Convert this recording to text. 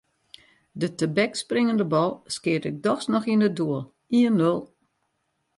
De tebekspringende bal skeat ik dochs noch yn it doel: ien-nul.